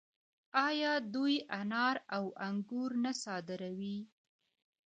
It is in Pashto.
آیا دوی انار او انګور نه صادروي؟